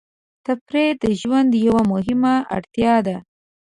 تفریح د ژوند یوه مهمه اړتیا ده.